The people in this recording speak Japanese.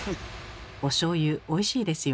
おしょうゆおいしいですよね。